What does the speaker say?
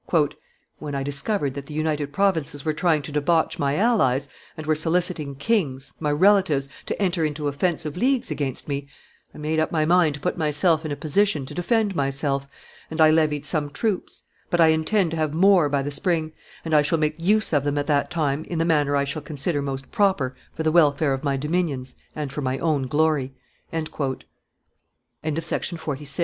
"When I discovered that the United Provinces were trying to debauch my allies, and were soliciting kings, my relatives, to enter into offensive leagues against me, I made up my mind to put myself in a position to defend myself, and I levied some troops; but I intend to have more by the spring, and I shall make use of them at that time in the manner I shall consider most proper for the welfare of my dominions and for my own glory." "The king starts to morrow, my dear d